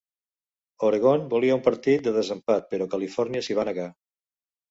Oregon volia un partit de desempat, però Califòrnia s'hi va negar.